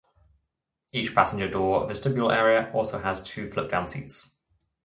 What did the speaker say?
Each passenger door vestibule area also has two flip-down seats.